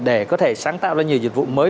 để có thể sáng tạo ra nhiều dịch vụ mới